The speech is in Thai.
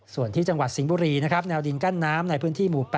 ส่วนที่จังหวัดสิงห์บุรีนะครับแนวดินกั้นน้ำในพื้นที่หมู่๘